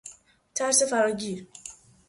ترس فراگیر